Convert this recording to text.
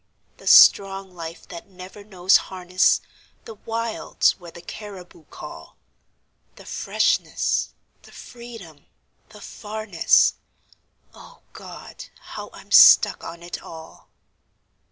The strong life that never knows harness; The wilds where the caribou call; The freshness, the freedom, the farness O God! how I'm stuck on it all.